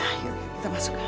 yaudah yuk kita masuk ya